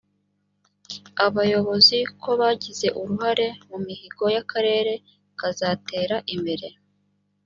abayobozi ko bagize uruhare mu mihigo y akarere kazatera imbere?